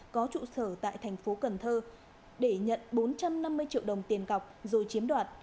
có trụ sở tại thành phố cần thơ để nhận bốn trăm năm mươi triệu đồng tiền cọc rồi chiếm đoạt